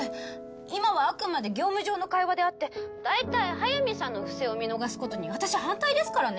今はあくまで業務上の会話であって大体速水さんの不正を見逃すことに私反対ですからね